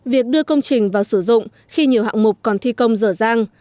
việc đưa công trình vào sử dụng khi nhiều hạng mục còn thi công dở dang